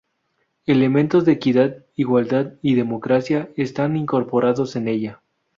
Elementos de equidad, igualdad y democracia están incorporados en ella.